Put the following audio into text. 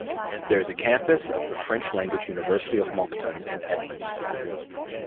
There is a campus of the French language University of Moncton in Edmundston.